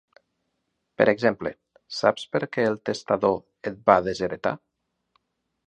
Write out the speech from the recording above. Per exemple, saps per què el testador et va desheretar?